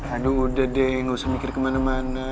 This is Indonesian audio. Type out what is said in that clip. aduh udah deh gak usah mikir kemana mana